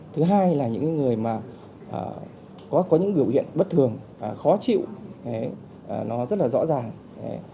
thứ hai là những người mà có những biểu hiện bất thường khó chịu nó rất là rõ ràng